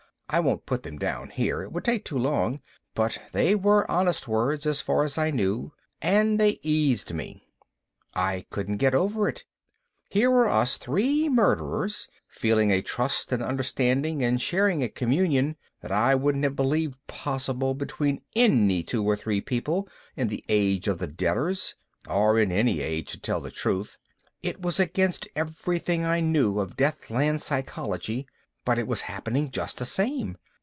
I won't put them down here it would take too long but they were honest words as far as I knew and they eased me. I couldn't get over it: here were us three murderers feeling a trust and understanding and sharing a communion that I wouldn't have believed possible between any two or three people in the Age of the Deaders or in any age, to tell the truth. It was against everything I knew of Deathland psychology, but it was happening just the same.